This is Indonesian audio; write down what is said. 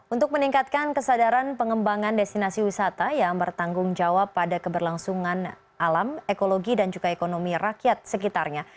untuk meningkatkan kesadaran pengembangan destinasi wisata yang bertanggung jawab pada keberlangsungan alam ekologi dan juga ekonomi rakyat sekitarnya